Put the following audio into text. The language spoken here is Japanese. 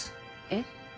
えっ？